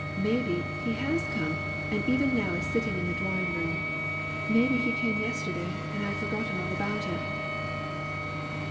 Maybe, he has come, and even now is sitting in the drawing room. Maybe, he came yesterday, and I have forgotten about it."